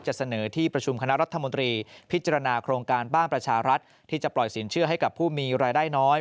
เสนอที่ประชุมคณะรัฐมนตรีพิจารณาโครงการบ้านประชารัฐที่จะปล่อยสินเชื่อให้กับผู้มีรายได้น้อย